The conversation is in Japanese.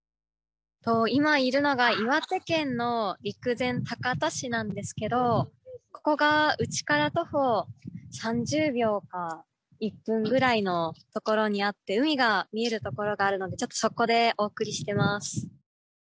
今いるのが岩手県の陸前高田市なんですけどここが家から徒歩３０秒か１分ぐらいの所にあって海が見える所があるのでちょっとそこでお送りしてます。